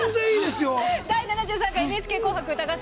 「第７３回ＮＨＫ紅白歌合戦」